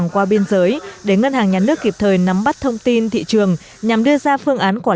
qua biên giới để ngân hàng nhà nước kịp thời nắm bắt thông tin thị trường nhằm đưa ra phương án quản